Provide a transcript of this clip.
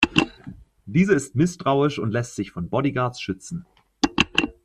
Dieser ist misstrauisch und lässt sich von Bodyguards schützen.